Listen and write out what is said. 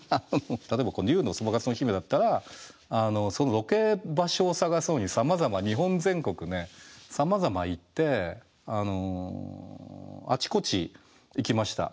例えば「竜とそばかすの姫」だったらそのロケ場所を探すのにさまざま日本全国ねさまざま行ってあちこち行きました。